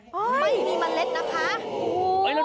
ไม่มีเมล็ดนะคะ